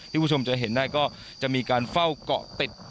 คุณผู้ชมจะเห็นได้ก็จะมีการเฝ้าเกาะติด